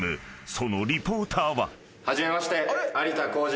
［そのリポーターは］